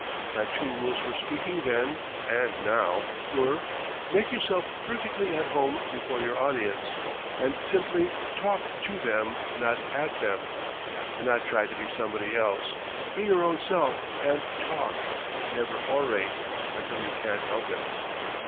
My two rules for speaking then (and now) were: Make yourself perfectly at home before your audience, and simply talk to them, not at them. Do not try to be somebody else; be your own self and talk, never "orate" until you can't help it.